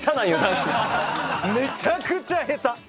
めちゃくちゃ下手！